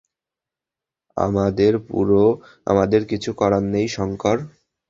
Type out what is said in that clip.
আমাদের কিছু করার নেই, শঙ্কর।